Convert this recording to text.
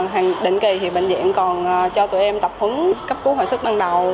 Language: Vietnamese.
hàng định kỳ bệnh viện còn cho tụi em tập hứng cấp cứu hội sức ban đầu